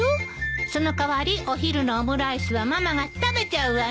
その代わりお昼のオムライスはママが食べちゃうわね。